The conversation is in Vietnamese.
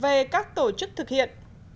về các tổ chức thực hiện